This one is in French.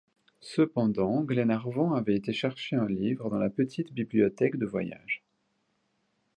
Cependant, Glenarvan avait été chercher un livre dans la petite bibliothèque de voyage.